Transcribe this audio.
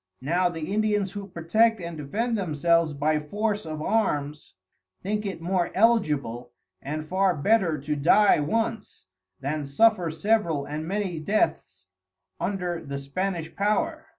Now the Indians who protect and defend themselves by force of Arms, think it more eligible, and far better to dye once, than suffer several and many Deaths under the Spanish Power.